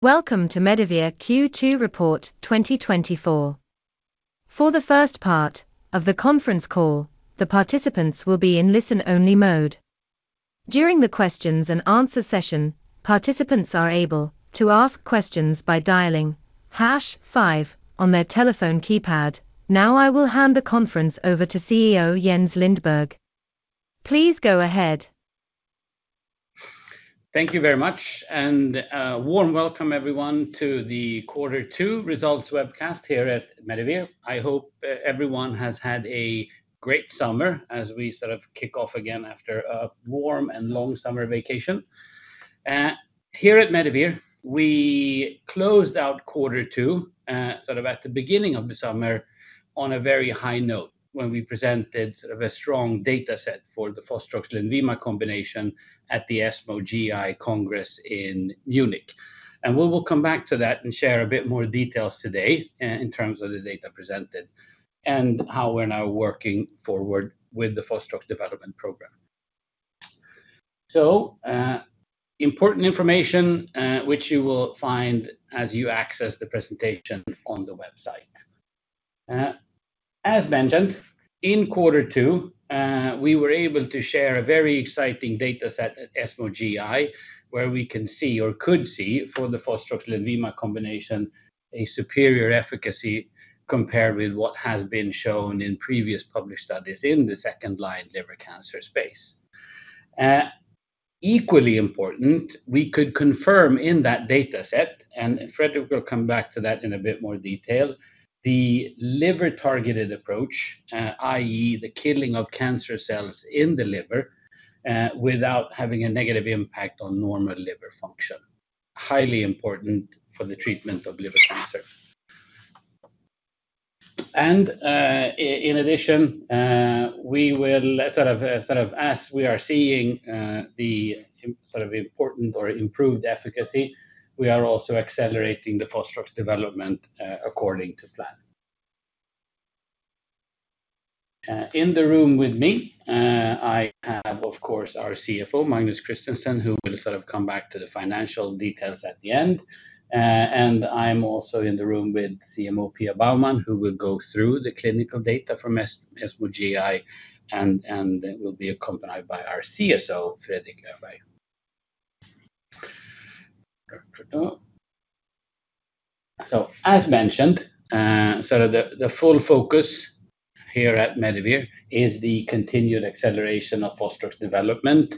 Welcome to Medivir Q2 Report 2024. For the first part of the conference call, the participants will be in listen-only mode. During the questions and answer session, participants are able to ask questions by dialing hash five on their telephone keypad. Now, I will hand the conference over to CEO Jens Lindberg. Please go ahead. Thank you very much, and a warm welcome everyone to the Quarter Two Results webcast here at Medivir. I hope everyone has had a great summer as we sort of kick off again after a warm and long summer vacation. Here at Medivir, we closed out quarter two, sort of at the beginning of the summer, on a very high note when we presented sort of a strong data set for the fostroxacitabine combination at the ESMO GI Congress in Munich. And we will come back to that and share a bit more details today in terms of the data presented, and how we're now working forward with the Fostrox development program. Important information, which you will find as you access the presentation on the website. As mentioned, in quarter two, we were able to share a very exciting data set at ESMO GI, where we can see or could see for the fostroxacitabine combination, a superior efficacy compared with what has been shown in previous published studies in the second-line liver cancer space. Equally important, we could confirm in that data set, and Fredrik will come back to that in a bit more detail, the liver-targeted approach, i.e., the killing of cancer cells in the liver, without having a negative impact on normal liver function. Highly important for the treatment of liver cancer. In addition, as we are seeing the important or improved efficacy, we are also accelerating the Fostrox development, according to plan. In the room with me, I have, of course, our CFO, Magnus Christensen, who will sort of come back to the financial details at the end. And I'm also in the room with CMO Pia Baumann, who will go through the clinical data from ESMO GI, and will be accompanied by our CSO, Fredrik Öberg. So as mentioned, sort of the full focus here at Medivir is the continued acceleration of Fostrox development.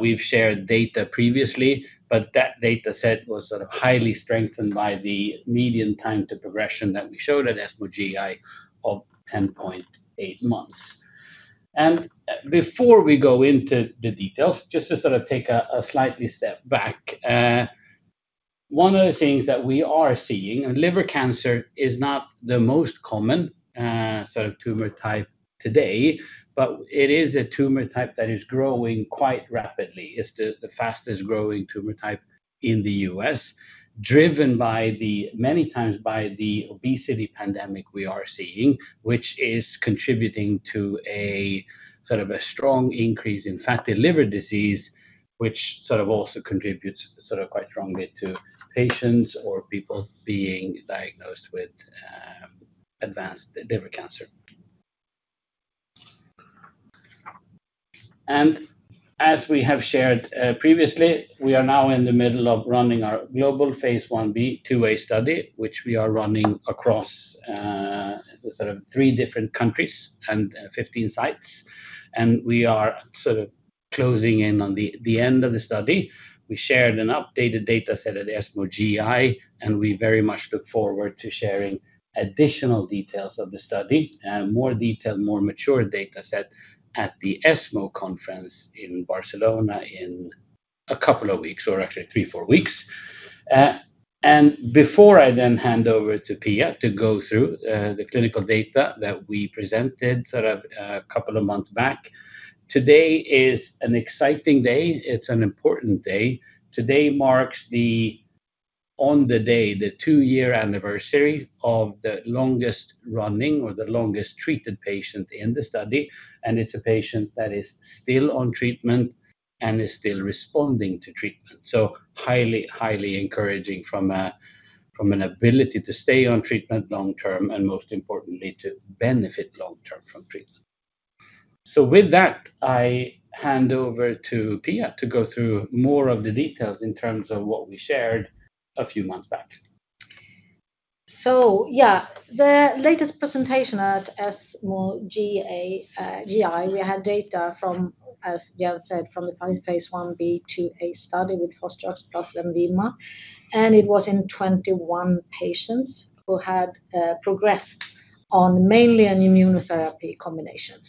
We've shared data previously, but that data set was sort of highly strengthened by the median time to progression that we showed at ESMO GI of 10.8 months. And before we go into the details, just to sort of take a slight step back, one of the things that we are seeing, and liver cancer is not the most common sort of tumor type today, but it is a tumor type that is growing quite rapidly. It's the fastest-growing tumor type in the U.S., driven by many times by the obesity pandemic we are seeing, which is contributing to a sort of strong increase in fatty liver disease, which sort of also contributes sort of quite strongly to patients or people being diagnosed with advanced liver cancer. As we have shared previously, we are now in the middle of running our global phase I-B/II-A study, which we are running across sort of three different countries and 15 sites, and we are sort of closing in on the end of the study. We shared an updated data set at the ESMO GI, and we very much look forward to sharing additional details of the study, more detailed, more mature data set at the ESMO conference in Barcelona in a couple of weeks, or actually three, four weeks. Before I then hand over to Pia to go through the clinical data that we presented sort of a couple of months back, today is an exciting day. It's an important day. Today marks the two-year anniversary of the longest-running or the longest-treated patient in the study, and it's a patient that is still on treatment and is still responding to treatment. So highly, highly encouraging from an ability to stay on treatment long term, and most importantly, to benefit long term from treatment. So with that, I hand over to Pia to go through more of the details in terms of what we shared a few months back. Yeah, the latest presentation at ESMO GI. We had data from, as Jens said, from the current phase I-B/II-A study with Fostrox plus Lenvima, and it was in 21 patients who had progressed on mainly on immunotherapy combinations.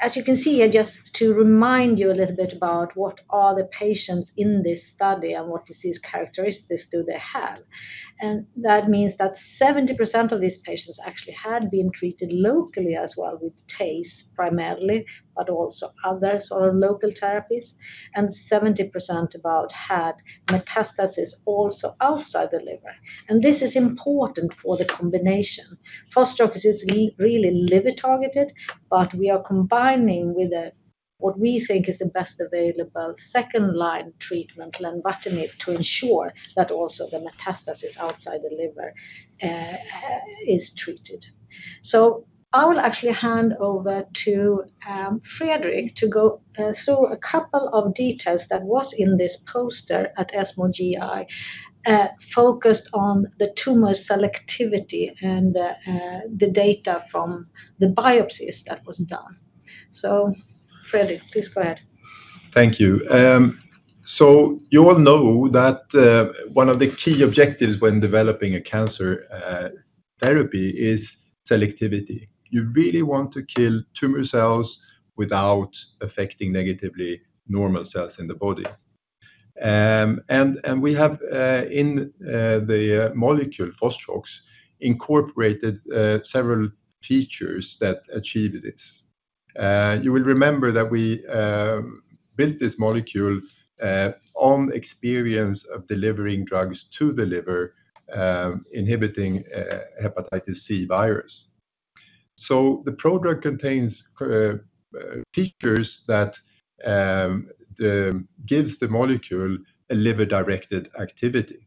As you can see, just to remind you a little bit about what are the patients in this study and what disease characteristics do they have. And that means that 70% of these patients actually had been treated locally as well with TACE primarily, but also others or local therapies, and 70% about had metastasis also outside the liver. And this is important for the combination. Fostrox is really liver-targeted, but we are combining with what we think is the best available second line treatment, lenvatinib, to ensure that also the metastasis outside the liver is treated. So I will actually hand over to Fredrik to go through a couple of details that was in this poster at ESMO GI, focused on the tumor selectivity and the data from the biopsies that was done. So Fredrik, please go ahead. Thank you. So you all know that one of the key objectives when developing a cancer therapy is selectivity. You really want to kill tumor cells without affecting negatively normal cells in the body. And we have in the molecule Fostrox incorporated several features that achieve this. You will remember that we built this molecule on experience of delivering drugs to the liver, inhibiting hepatitis C virus. So the prodrug contains features that gives the molecule a liver-directed activity.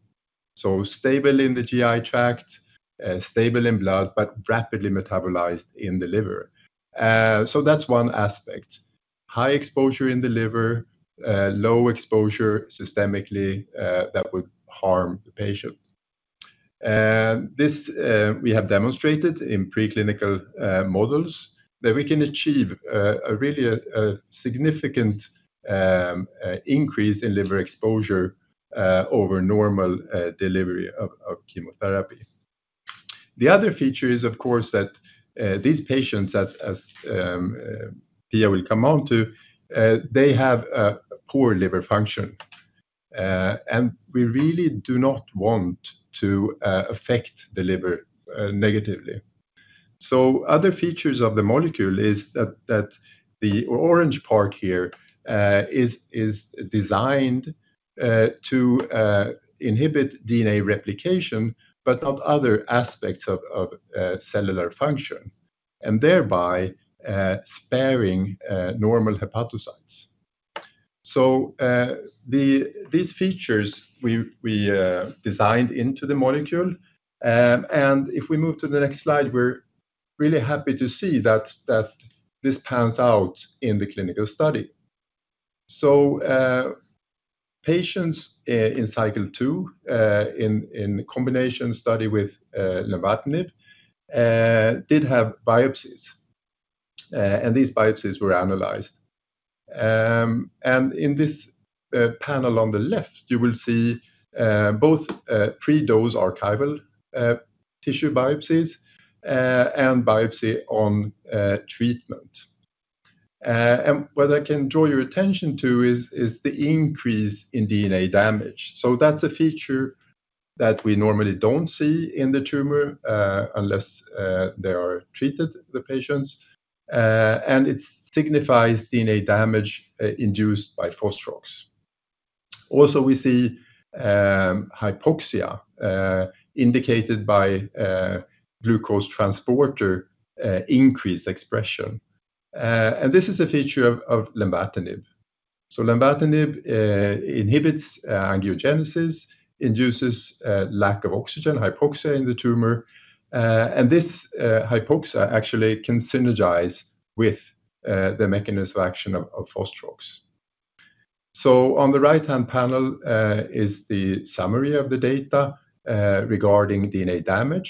So stable in the GI tract, stable in blood, but rapidly metabolized in the liver. So that's one aspect. High exposure in the liver, low exposure systemically, that would harm the patient. And this, we have demonstrated in preclinical models that we can achieve a really significant increase in liver exposure over normal delivery of chemotherapy. The other feature is, of course, that these patients, as Pia will come on to, they have a poor liver function and we really do not want to affect the liver negatively. So other features of the molecule is that the orange part here is designed to inhibit DNA replication, but not other aspects of cellular function, and thereby sparing normal hepatocytes. So these features we designed into the molecule, and if we move to the next slide, we're really happy to see that this pans out in the clinical study. Patients in cycle two in combination study with lenvatinib did have biopsies and these biopsies were analyzed. In this panel on the left you will see both pre-dose archival tissue biopsies and biopsy on treatment. What I can draw your attention to is the increase in DNA damage. That's a feature that we normally don't see in the tumor unless they are treated the patients and it signifies DNA damage induced by Fostrox. Also we see hypoxia indicated by a glucose transporter increased expression. This is a feature of lenvatinib. So lenvatinib inhibits angiogenesis, induces lack of oxygen, hypoxia in the tumor, and this hypoxia actually can synergize with the mechanism of action of Fostrox. So on the right-hand panel is the summary of the data regarding DNA damage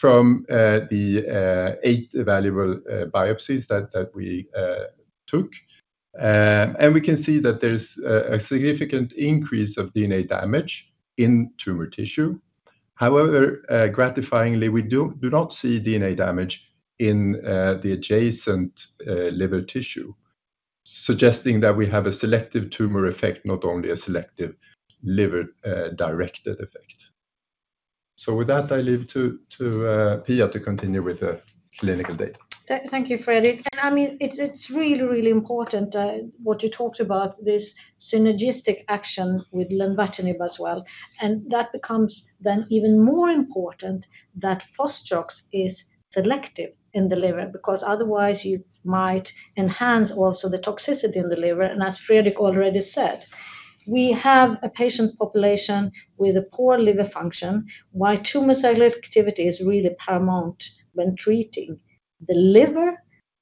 from the eight evaluable biopsies that we took. And we can see that there's a significant increase of DNA damage in tumor tissue. However, gratifyingly, we do not see DNA damage in the adjacent liver tissue, suggesting that we have a selective tumor effect, not only a selective liver directed effect. So with that, I leave to Pia to continue with the clinical data. Thank you, Fredrik. And I mean, it's, it's really, really important what you talked about, this synergistic action with lenvatinib as well. And that becomes then even more important that Fostrox is selective in the liver, because otherwise you might enhance also the toxicity in the liver. And as Fredrik already said, we have a patient population with a poor liver function, while tumor selectivity is really paramount when treating the liver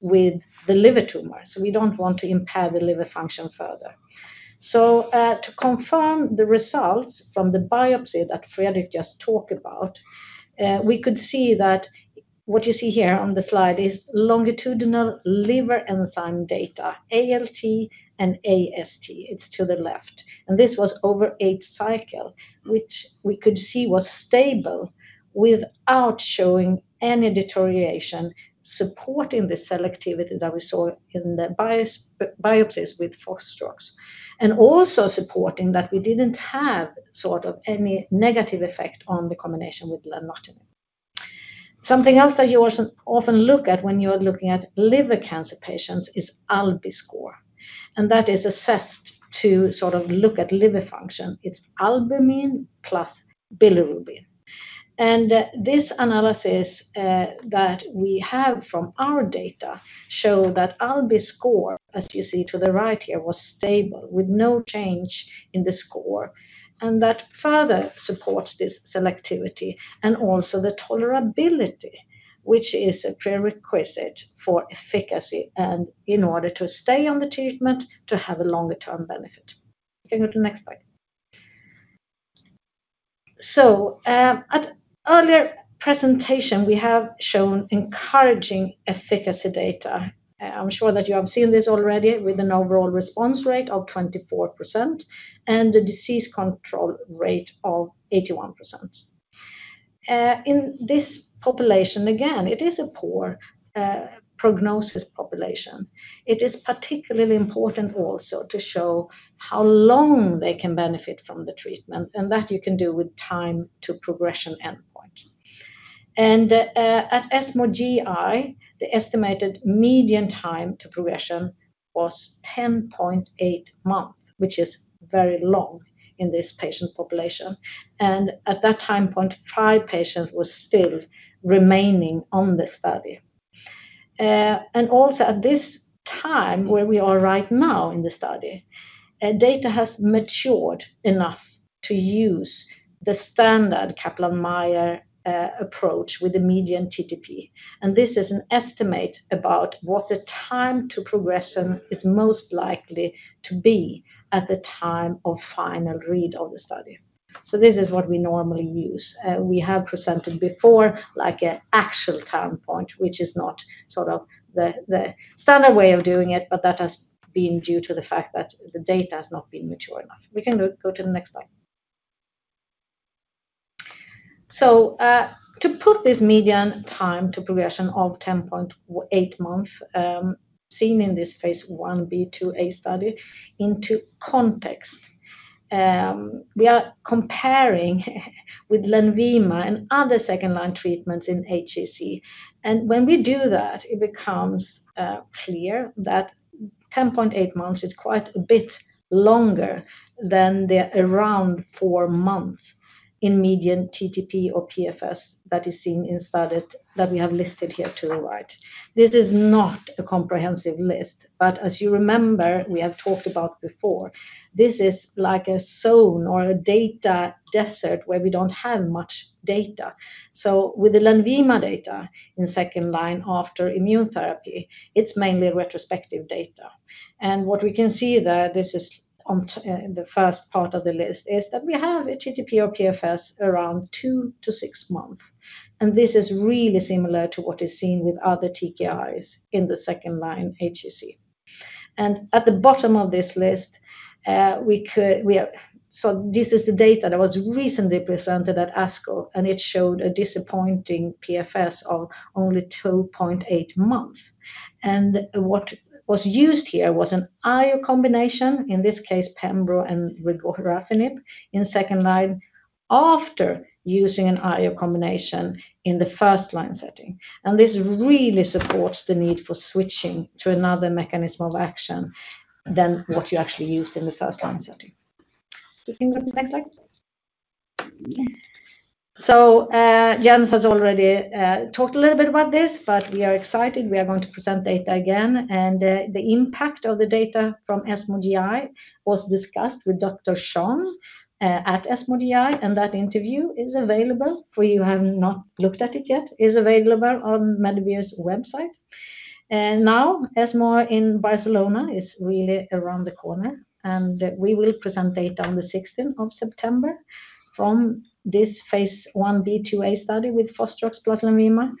with the liver tumor. So we don't want to impair the liver function further. So, to confirm the results from the biopsy that Fredrik just talked about, we could see that what you see here on the slide is longitudinal liver enzyme data, ALT and AST. It's to the left. And this was over eight cycles, which we could see was stable without showing any deterioration, supporting the selectivity that we saw in the biopsies with Fostrox, and also supporting that we didn't have sort of any negative effect on the combination with lenvatinib. Something else that you also often look at when you're looking at liver cancer patients is ALBI score, and that is assessed to sort of look at liver function. It's albumin plus bilirubin. And this analysis that we have from our data show that ALBI score, as you see to the right here, was stable, with no change in the score. And that further supports this selectivity and also the tolerability, which is a prerequisite for efficacy and in order to stay on the treatment to have a longer term benefit. You can go to the next slide. At earlier presentation, we have shown encouraging efficacy data. I'm sure that you have seen this already with an overall response rate of 24% and the disease control rate of 81%. In this population, again, it is a poor prognosis population. It is particularly important also to show how long they can benefit from the treatment, and that you can do with time to progression endpoint. At ESMO GI, the estimated median time to progression was 10.8 months, which is very long in this patient population. At that time point, five patients were still remaining on the study. And also at this time, where we are right now in the study, data has matured enough to use the standard Kaplan-Meier approach with the median TTP. This is an estimate about what the time to progression is most likely to be at the time of final read of the study. This is what we normally use. We have presented before, like, an actual time point, which is not sort of the standard way of doing it, but that has been due to the fact that the data has not been mature enough. We can go to the next slide. To put this median time to progression of 10.8 months, seen in this phase I-B/II-A study into context, we are comparing with Lenvima and other second-line treatments in HCC. When we do that, it becomes clear that 10.8 months is quite a bit longer than the around 4 months in median TTP or PFS that is seen in studies that we have listed here to the right. This is not a comprehensive list, but as you remember, we have talked about before, this is like a zone or a data desert where we don't have much data. With the Lenvima data in second-line after immune therapy, it's mainly retrospective data. What we can see there, this is on the first part of the list, is that we have a TTP or PFS around two months to 6 months. This is really similar to what is seen with other TKIs in the second-line HCC. At the bottom of this list, we have... This is the data that was recently presented at ASCO, and it showed a disappointing PFS of only 2.8 months. And what was used here was an IO combination, in this case, pembro and regorafenib, in second line after using an IO combination in the first line setting. And this really supports the need for switching to another mechanism of action than what you actually used in the first line setting. You can go to the next slide. So, Jens has already talked a little bit about this, but we are excited. We are going to present data again, and the impact of the data from ESMO GI was discussed with Dr. Chon at ESMO GI, and that interview is available for you who have not looked at it yet. It's available on Medivir's website. Now, ESMO in Barcelona is really around the corner, and we will present data on the 16th of September from this phase I-B/II-A study with Fostrox plus Lenvima.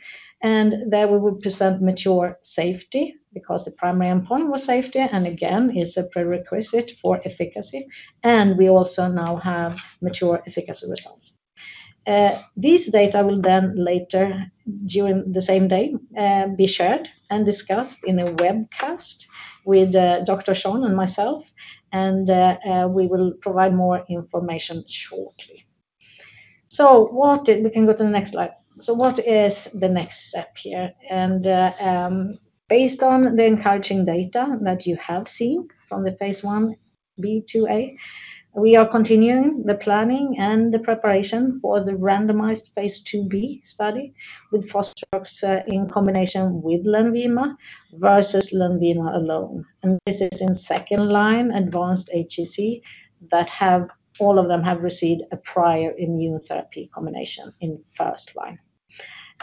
There we will present mature safety because the primary endpoint was safety, and again, is a prerequisite for efficacy, and we also now have mature efficacy results. This data will then later, during the same day, be shared and discussed in a webcast with Dr. Chon and myself, and we will provide more information shortly. We can go to the next slide. What is the next step here? Based on the encouraging data that you have seen from the phase I-B/II-A, we are continuing the planning and the preparation for the randomized phase II-B study with Fostrox in combination with Lenvima versus Lenvima alone. This is in second line, advanced HCC, all of them have received a prior immunotherapy combination in first line.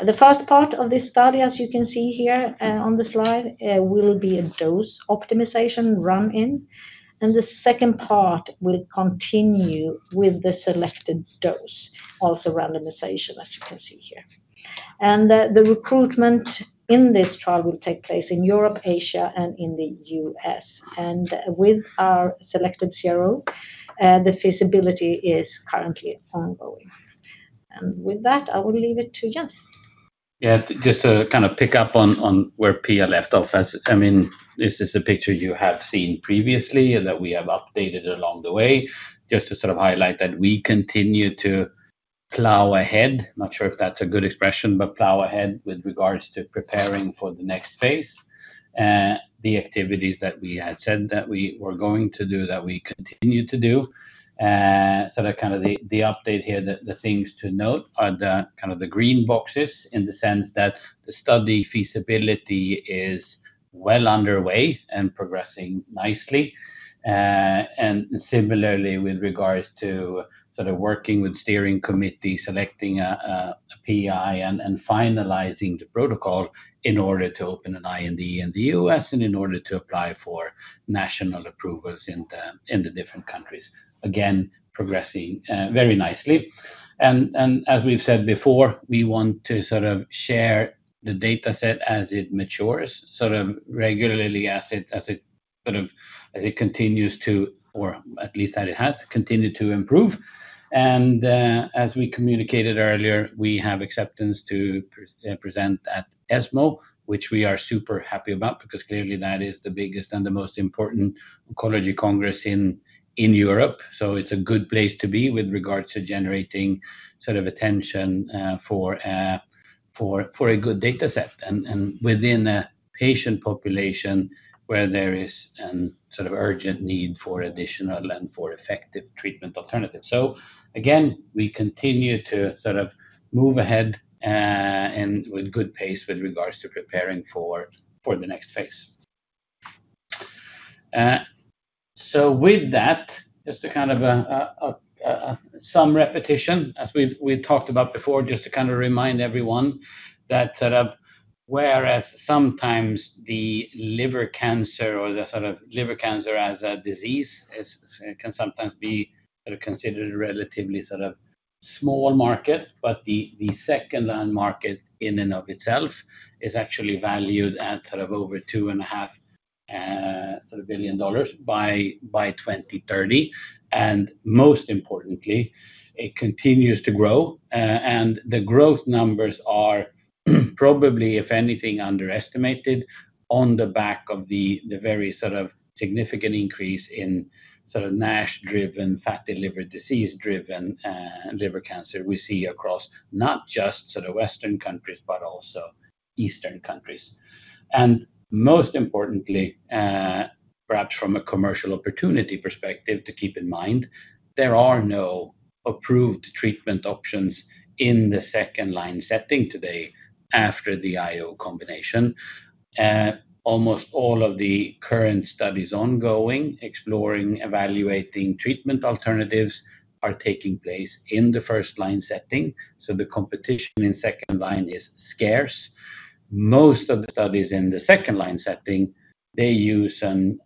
The first part of this study, as you can see here on the slide, will be a dose optimization run-in, and the second part will continue with the selected dose, also randomization, as you can see here. The recruitment in this trial will take place in Europe, Asia, and in the US. With our selected CRO, the feasibility is currently ongoing. With that, I will leave it to Jens. Yes, just to kind of pick up on where Pia left off. I mean, this is a picture you have seen previously and that we have updated along the way, just to sort of highlight that we continue to plow ahead. Not sure if that's a good expression, but plow ahead with regards to preparing for the next phase. The activities that we had said that we were going to do, that we continue to do. Sort of, kind of the update here, the things to note are kind of the green boxes, in the sense that the study feasibility is well underway and progressing nicely. And similarly, with regards to sort of working with steering committee, selecting a PI and finalizing the protocol in order to open an IND in the US, and in order to apply for national approvals in the different countries. Again, progressing very nicely. And as we've said before, we want to sort of share the dataset as it matures, sort of regularly as it continues to, or at least as it has continued to improve. And as we communicated earlier, we have acceptance to present at ESMO, which we are super happy about, because clearly that is the biggest and the most important oncology congress in Europe. So it's a good place to be with regards to generating sort of attention for a good dataset and within a patient population where there is a sort of urgent need for additional and for effective treatment alternatives. So again, we continue to sort of move ahead and with good pace with regards to preparing for the next phase. So with that, just to kind of some repetition, as we've talked about before, just to kind of remind everyone that, sort of, whereas sometimes the liver cancer or the sort of liver cancer as a disease can sometimes be sort of considered a relatively sort of small market, but the second line market in and of itself is actually valued at sort of over $2.5 billion by 2030. Most importantly, it continues to grow. The growth numbers are, probably, if anything, underestimated on the back of the very sort of significant increase in sort of NASH-driven, fatty liver disease-driven liver cancer we see across not just sort of Western countries, but also Eastern countries. Most importantly, perhaps from a commercial opportunity perspective, to keep in mind, there are no approved treatment options in the second-line setting today after the IO combination. Almost all of the current studies ongoing, exploring, evaluating treatment alternatives are taking place in the first-line setting, so the competition in second-line is scarce. Most of the studies in the second-line setting, they use and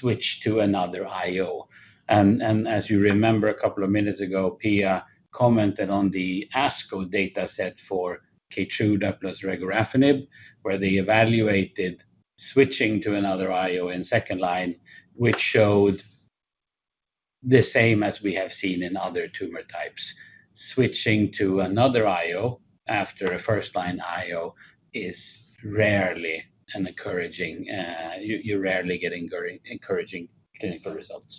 switch to another IO. As you remember, a couple of minutes ago, Pia commented on the ASCO dataset for Keytruda plus regorafenib, where they evaluated switching to another IO in second line, which showed the same as we have seen in other tumor types. Switching to another IO after a first-line IO is rarely an encouraging, you rarely get encouraging clinical results.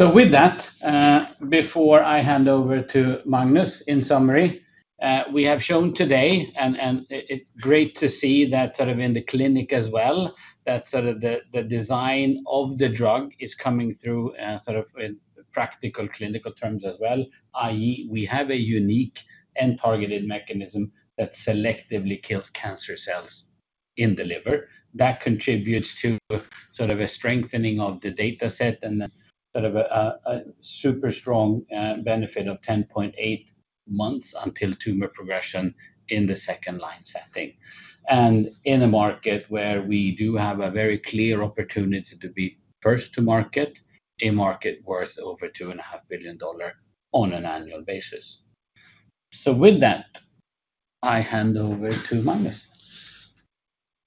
With that, before I hand over to Magnus, in summary, we have shown today, and it’s great to see that sort of in the clinic as well, that sort of the design of the drug is coming through, sort of in practical clinical terms as well, i.e., we have a unique and targeted mechanism that selectively kills cancer cells in the liver. That contributes to sort of a strengthening of the dataset and sort of a super strong benefit of 10.8 months until tumor progression in the second line setting, and in a market where we do have a very clear opportunity to be first to market, a market worth over $2.5 billion on an annual basis, so with that, I hand over to Magnus.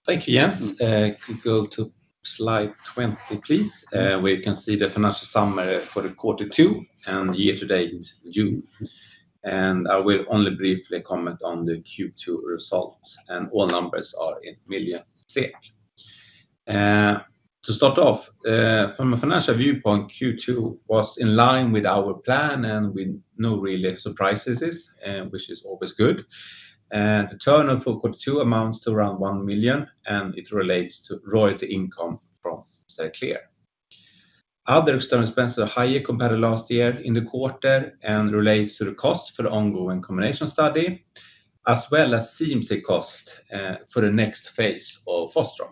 Thank you, Jens. Could go to slide 20, please, where you can see the financial summary for the quarter two and year to date in June. I will only briefly comment on the Q2 results, and all numbers are in million SEK. To start off, from a financial viewpoint, Q2 was in line with our plan and with no real surprises, which is always good. The turnover for quarter two amounts to around 1 million, and it relates to royalty income from Xerclear. Other external expenses are higher compared to last year in the quarter and relates to the cost for the ongoing combination study, as well as CMC cost, for the next phase of Fostrox.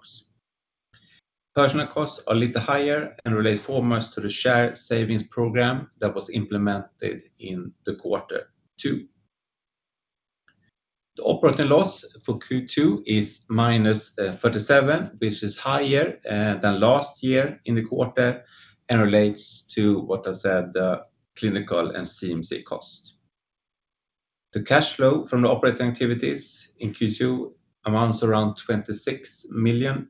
Personnel costs are a little higher and relate foremost to the share savings program that was implemented in the quarter two. The operating loss for Q2 is -37 million, which is higher than last year in the quarter, and relates to what I said, clinical and CMC costs. The cash flow from the operating activities in Q2 amounts around -26 million,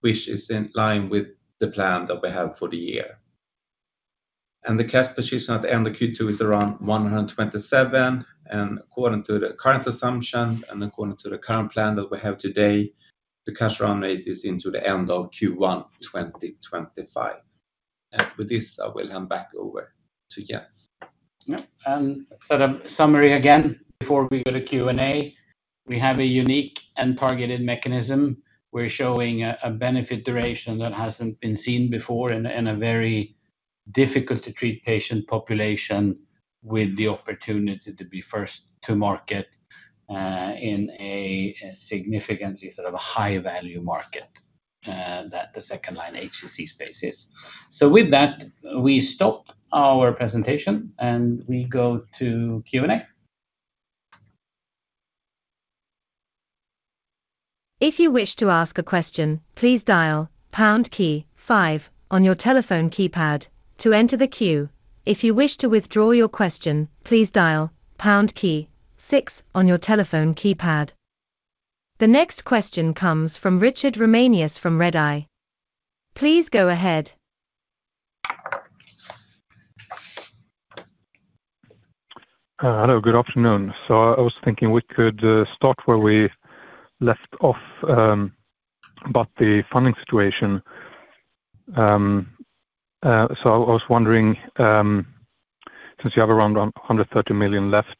which is in line with the plan that we have for the year. And the cash position at the end of Q2 is around 127 million, and according to the current assumption and according to the current plan that we have today, the cash run rate is into the end of Q1 2025. And with this, I will hand back over to Jens. Yeah, and sort of summary again, before we go to Q&A, we have a unique and targeted mechanism. We're showing a benefit duration that hasn't been seen before in a very difficult to treat patient population, with the opportunity to be first to market in a significantly sort of high-value market that the second line HCC space is. So with that, we stop our presentation, and we go to Q&A. If you wish to ask a question, please dial pound key five on your telephone keypad to enter the queue. If you wish to withdraw your question, please dial pound key six on your telephone keypad. The next question comes from Richard Ramani from Redeye. Please go ahead. Hello, good afternoon. I was thinking we could start where we left off about the funding situation. I was wondering, since you have around 130 million left,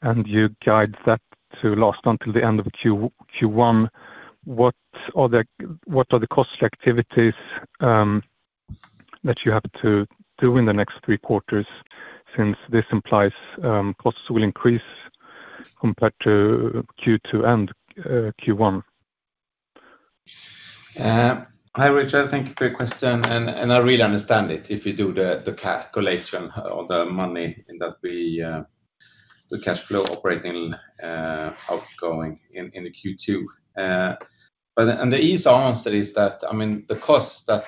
and you guide that to last until the end of Q1, what are the cost activities that you have to do in the next three quarters. Since this implies costs will increase compared to Q2 and Q1. Hi, Richard, thank you for your question, and I really understand it. If you do the calculation or the money in that we, the cash flow operating outgoing in the Q2. But the easy answer is that, I mean, the costs that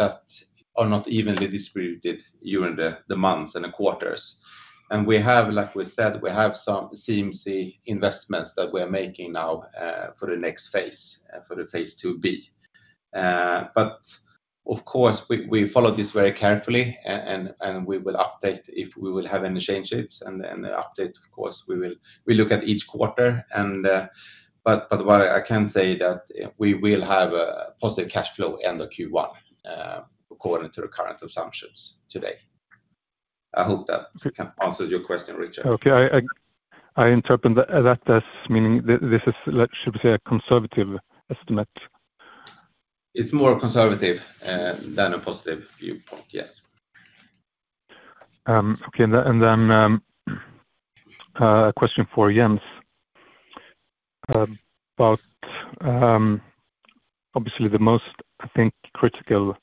are not evenly distributed during the months and the quarters. We have, like we said, we have some CMC investments that we're making now, for the next phase, for the phase II-B. But of course, we follow this very carefully and we will update if we have any changes. The update, of course, we look at each quarter, but what I can say is that we will have a positive cash flow end of Q1, according to the current assumptions today. I hope that can answer your question, Richard. Okay. I interpret that as meaning this is like, should we say, a conservative estimate? It's more conservative than a positive viewpoint, yes. Okay. And then, a question for Jens. About, obviously the most, I think, critical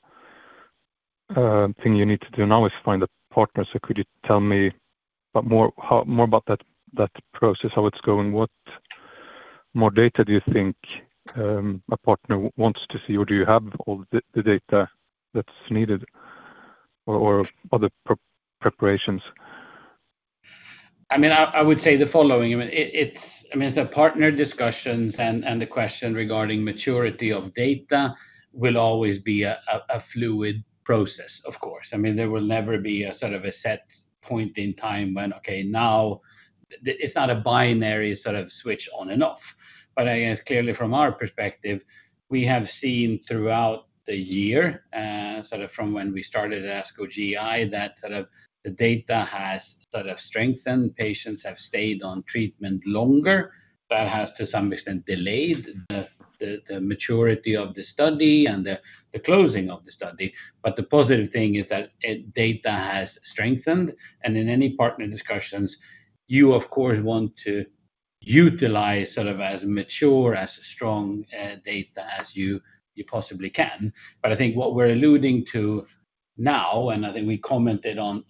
thing you need to do now is find a partner. So could you tell me more about that process, how it's going? What more data do you think a partner wants to see? Or do you have all the data that's needed or other preparations? I mean, I would say the following: I mean, the partner discussions and the question regarding maturity of data will always be a fluid process, of course. I mean, there will never be a sort of a set point in time when, okay, it's not a binary sort of switch on and off, but I guess clearly from our perspective, we have seen throughout the year, sort of from when we started ASCO GI, that sort of the data has sort of strengthened. Patients have stayed on treatment longer. That has to some extent delayed the maturity of the study and the closing of the study. But the positive thing is that, data has strengthened, and in any partner discussions, you of course, want to utilize sort of as mature, as strong, data as you possibly can. But I think what we're alluding to now, and I think we commented on,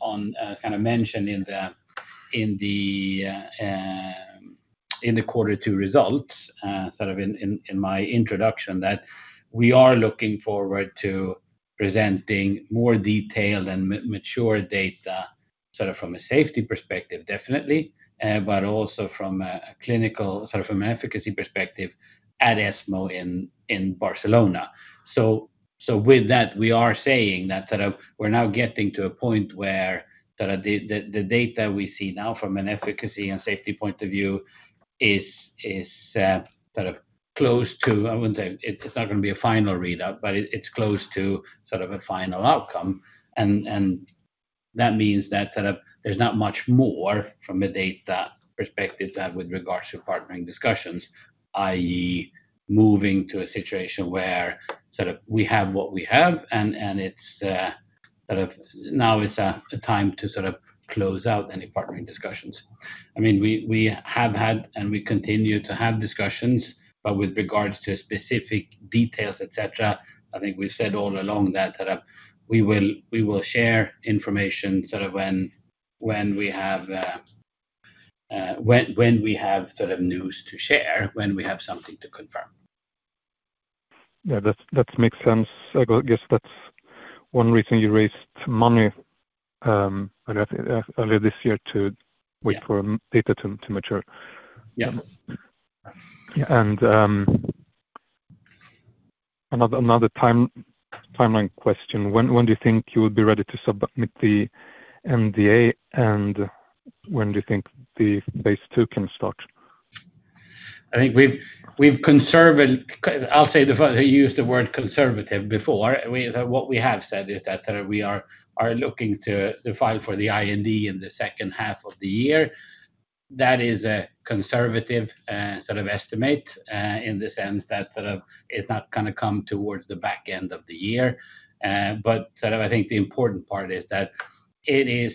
kind of mentioned in the quarter two results, sort of in my introduction, that we are looking forward to presenting more detailed and mature data, sort of from a safety perspective, definitely, but also from a clinical, sort of from an efficacy perspective at ESMO in Barcelona. With that, we are saying that sort of, we're now getting to a point where sort of the data we see now from an efficacy and safety point of view is sort of close to... I wouldn't say, it's not gonna be a final readout, but it's close to sort of a final outcome. And that means that sort of there's not much more from a data perspective that with regards to partnering discussions, i.e., moving to a situation where sort of we have what we have, and it's sort of now is a time to sort of close out any partnering discussions. I mean, we have had, and we continue to have discussions, but with regards to specific details, et cetera. I think we've said all along that, sort of, we will share information sort of when we have sort of news to share, when we have something to confirm. Yeah, that makes sense. I guess that's one reason you raised money early this year to- Yeah... wait for data to mature. Yeah. Another timeline question. When do you think you will be ready to submit the NDA? And when do you think the phase II can start?... I think we've been conservative. I'll say the word. I used the word conservative before. We, what we have said is that sort of we are looking to file for the IND in the second half of the year. That is a conservative sort of estimate in the sense that sort of it's not gonna come towards the back end of the year. But sort of I think the important part is that it is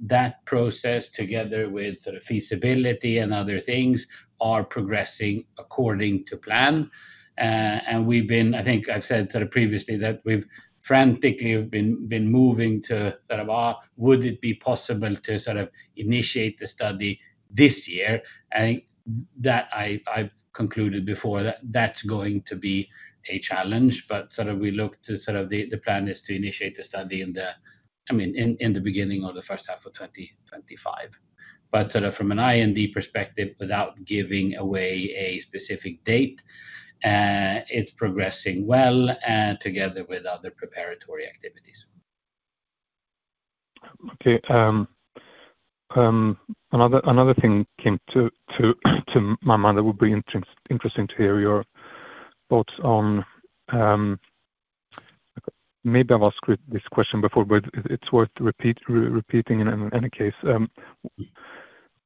that process together with sort of feasibility and other things are progressing according to plan. And we've been. I think I've said sort of previously that we've frantically been moving to sort of would it be possible to sort of initiate the study this year? I think that I've concluded before that that's going to be a challenge, but sort of we look to the plan is to initiate the study. I mean, in the beginning of the first half of 2025. But sort of from an IND perspective, without giving away a specific date, it's progressing well, together with other preparatory activities. Okay, another thing came to my mind that would be interesting to hear your thoughts on. Maybe I've asked this question before, but it's worth repeating in any case.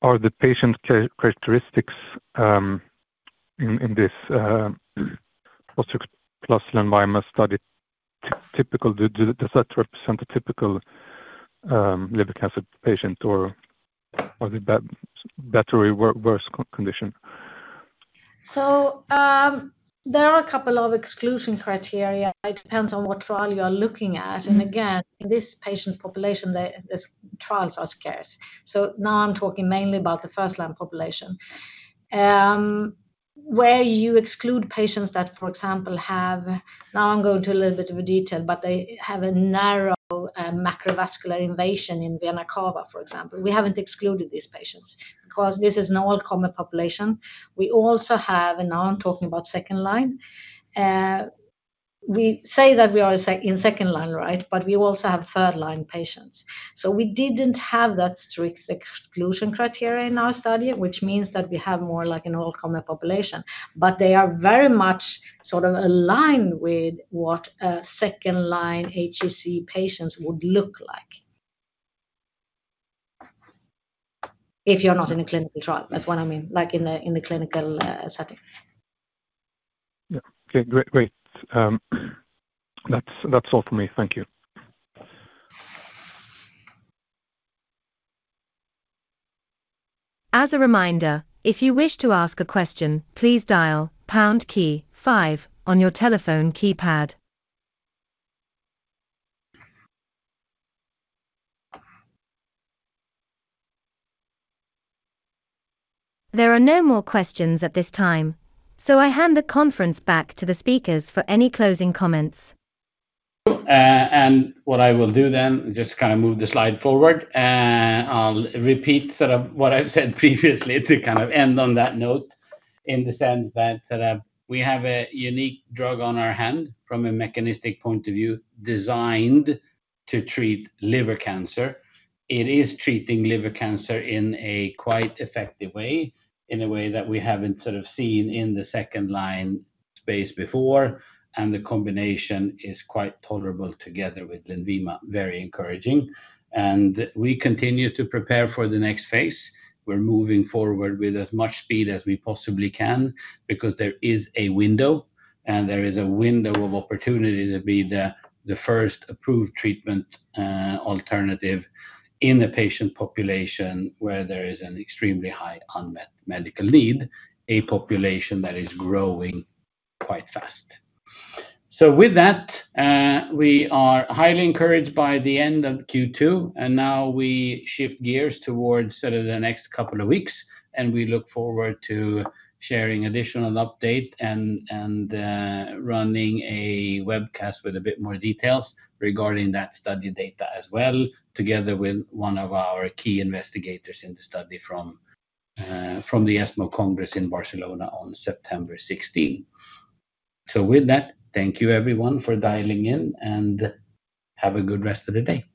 Are the patient characteristics in this plus Lenvima study typical? Does that represent a typical liver cancer patient or are they better or worse condition? So, there are a couple of exclusion criteria. It depends on what trial you are looking at. And again, this patient population, these trials are scarce. So now I'm talking mainly about the first-line population. Where you exclude patients that, for example, have no macrovascular invasion in vena cava, for example. We haven't excluded these patients because this is an all-comer population. We also have, and now I'm talking about second line, we say that we are in second line, right? But we also have third-line patients. So we didn't have that strict exclusion criteria in our study, which means that we have more like an all-comer population. But they are very much sort of aligned with what a second-line HCC patients would look like. If you're not in a clinical trial, that's what I mean, like in a clinical setting. Yeah. Okay, great. Great. That's, that's all for me. Thank you. As a reminder, if you wish to ask a question, please dial pound key five on your telephone keypad. There are no more questions at this time, so I hand the conference back to the speakers for any closing comments. And what I will do then, just kind of move the slide forward. I'll repeat sort of what I've said previously to kind of end on that note, in the sense that, we have a unique drug on our hand from a mechanistic point of view, designed to treat liver cancer. It is treating liver cancer in a quite effective way, in a way that we haven't sort of seen in the second line space before, and the combination is quite tolerable together with Lenvima, very encouraging. And we continue to prepare for the next phase. We're moving forward with as much speed as we possibly can because there is a window, and there is a window of opportunity to be the first approved treatment alternative in a patient population where there is an extremely high unmet medical need, a population that is growing quite fast. So with that, we are highly encouraged by the end of Q2, and now we shift gears towards sort of the next couple of weeks, and we look forward to sharing additional update and running a webcast with a bit more details regarding that study data as well, together with one of our key investigators in the study from the ESMO Congress in Barcelona on September 16th. So with that, thank you everyone, for dialing in, and have a good rest of the day.